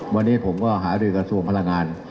วันนี้ผมก็หารือกระทรวงพลังงาน